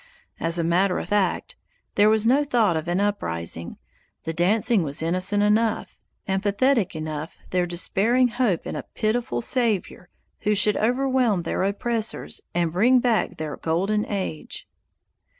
As a matter of fact, there was no thought of an uprising; the dancing was innocent enough, and pathetic enough their despairing hope in a pitiful Saviour who should overwhelm their oppressors and bring back their golden age.